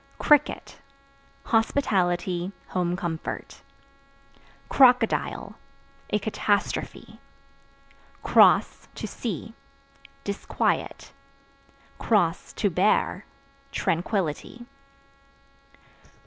Cricket Hospitality, home comfort. Crocodile A catastrophe. Cross (To see) disquiet; (to bear) tranquillity.